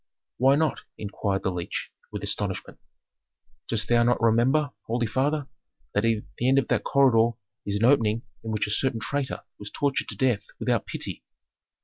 "Why not?" inquired the leech, with astonishment. "Dost thou not remember, holy father, that at the end of that corridor is an opening in which a certain traitor was tortured to death without pity."